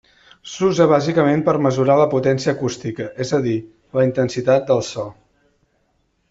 S'usa bàsicament per mesurar la potència acústica, és a dir, la intensitat del so.